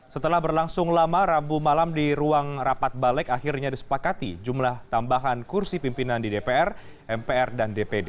setelah berlangsung lama rabu malam di ruang rapat balik akhirnya disepakati jumlah tambahan kursi pimpinan di dpr mpr dan dpd